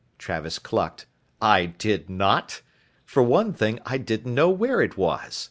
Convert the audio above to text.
Travis clucked. "I did not. For one thing, I didn't know where it was.